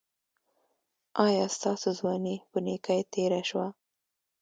ایا ستاسو ځواني په نیکۍ تیره شوه؟